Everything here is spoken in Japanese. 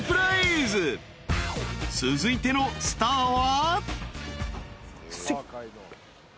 ［続いてのスターは］